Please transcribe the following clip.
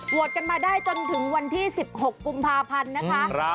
กันมาได้จนถึงวันที่๑๖กุมภาพันธ์นะคะ